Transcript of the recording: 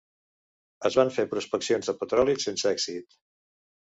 Es van fer prospeccions de petroli sense èxit.